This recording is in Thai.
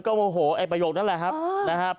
ก็โอ้โหไอ้ประโยคนั่นแหละครับ